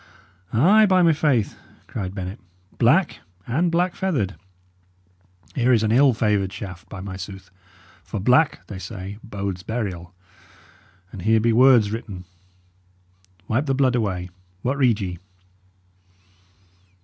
"Ay, by my faith!" cried Bennet. "Black, and black feathered. Here is an ill favoured shaft, by my sooth! for black, they say, bodes burial. And here be words written. Wipe the blood away. What read ye?"